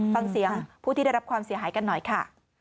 ฟังเสียงผู้ที่ได้รับความเสียหายกันหน่อยค่ะ